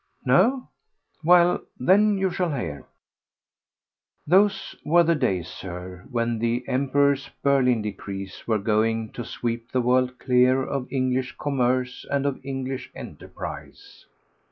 No? Well, then, you shall hear. Those were the days, Sir, when the Emperor's Berlin Decrees were going to sweep the world clear of English commerce and of English enterprise.